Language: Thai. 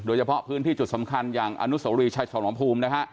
โดยเฉพาะพื้นที่จุดสำคัญอย่างอนุโสรีชายฉลองภูมินะฮะ